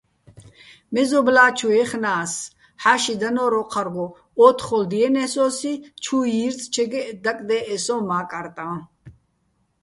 მეზობლა́ჩუ ჲეხნა́ს, ჰ̦ა́ში დანო́რ ოჴარგო, ო́თთხოლ დიენე́ს ო́სი, ჩუ ჲირწჩეგეჸ დაკდე́ჸე სოჼ მა́კარტაჼ.